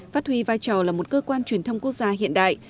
phát huy vai trò là một cơ quan truyền thông quốc gia hiện đại